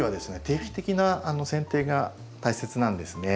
定期的なせん定が大切なんですね。